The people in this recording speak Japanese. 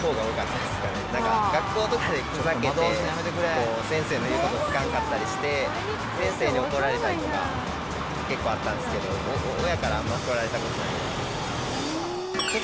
なんか、学校とかでふざけて、先生の言うこときかんかったりして、先生に怒られたりとか、結構あったんですけど、親から怒られたことはない。